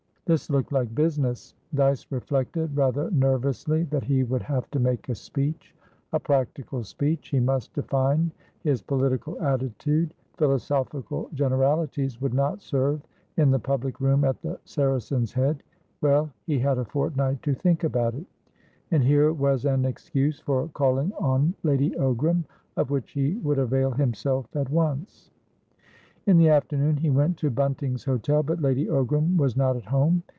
This looked like business. Dyce reflected rather nervously that he would have to make a speecha practical speech; he must define his political attitude; philosophical generalities would not serve in the public room at the Saracen's Head. Well, he had a fortnight to think about it. And here was an excuse for calling on Lady Ogram, of which he would avail himself at once. In the afternoon he went to Bunting's Hotel, but Lady Ogram was not at home.